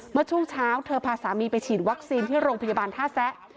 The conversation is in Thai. เมื่อช่วงเช้าเธอพาสามีไปฉีดวัคซีนที่โรงพยาบาลท่าแซะ